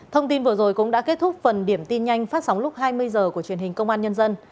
thông tin vừa rồi cũng đã kết thúc phần điểm tin nhanh phát sóng lúc hai mươi h của truyền hình công an nhân dân